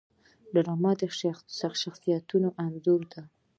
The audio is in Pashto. ډرامه د شخصیتونو انځور دی